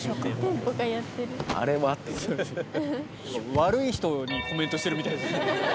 悪い人にコメントしてるみたいですね。